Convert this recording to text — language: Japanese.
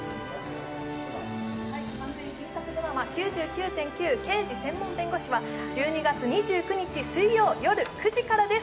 「完全新作ドラマ９９．９−刑事専門弁護士−」は１２月２９日水曜、夜９時からです。